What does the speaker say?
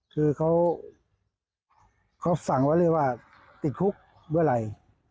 คือเขาสั่งว่าเลยว่าติดคุกด้วยไร